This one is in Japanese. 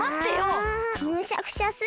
あむしゃくしゃする！